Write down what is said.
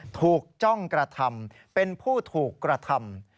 จ้องกระทำเป็นผู้ถูกกระทำ